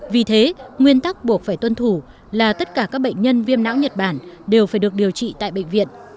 vì thế nguyên tắc buộc phải tuân thủ là tất cả các bệnh nhân viêm não nhật bản đều phải được điều trị tại bệnh viện